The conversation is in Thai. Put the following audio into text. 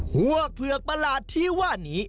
พวกเผือกประหลาดที่ว่านี้